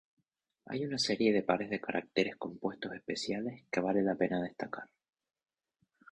Hay una serie de pares de caracteres compuestos especiales que vale la pena destacar.